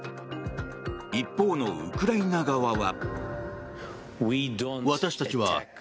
一方のウクライナ側は。